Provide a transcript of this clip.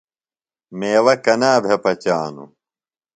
میوہ کنا بھےۡ پچانوۡ؟